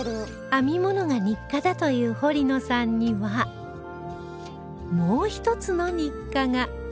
編み物が日課だという堀野さんにはもう一つの日課が